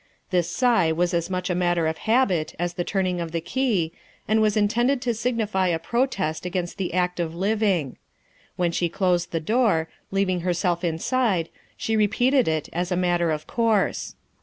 This sigh was as much a matter of habit as the turning of the key, and was intended to signify a protest against the act of living. When she closed the door, leaving herself inside, she repeated it, as a matter of course.